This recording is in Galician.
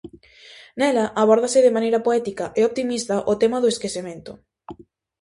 Nela abórdase de maneira poética e optimista o tema do esquecemento.